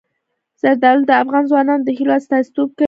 زردالو د افغان ځوانانو د هیلو استازیتوب کوي.